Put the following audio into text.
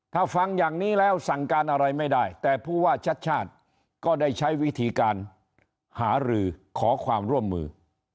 ถ้าฟังอย่างนี้แล้วสั่งการอะไรไม่ได้แต่ผู้ว่าชัดชาติก็ได้ใช้วิธีการหารือขอความร่วมมือ